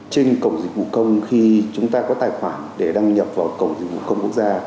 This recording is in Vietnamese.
trên cổng dịch vụ công khi chúng ta có tài khoản để đăng nhập vào cổng dịch vụ công quốc gia